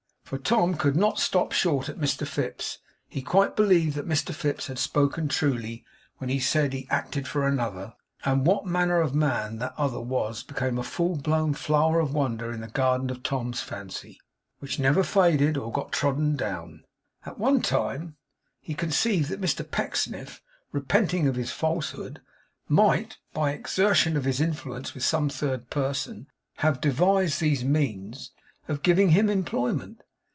For Tom could not stop short at Mr Fips; he quite believed that Mr Fips had spoken truly, when he said he acted for another; and what manner of man that other was, became a full blown flower of wonder in the garden of Tom's fancy, which never faded or got trodden down. At one time, he conceived that Mr Pecksniff, repenting of his falsehood, might, by exertion of his influence with some third person have devised these means of giving him employment.